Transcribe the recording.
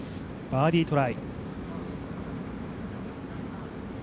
バーディートライ。